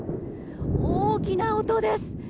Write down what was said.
大きな音です。